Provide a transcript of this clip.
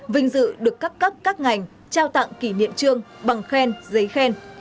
vinh dự được các cấp các ngành trao tặng kỷ niệm trương bằng khen giấy khen